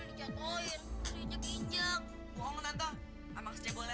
ranteng aja ini kan baju saya kok kacau begitu udah dicuci belum